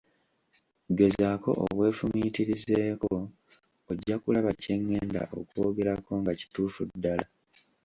Gezaako obwefumiitirizeeko ojja kulaba kye ngenda okwogerako nga kituufu ddala.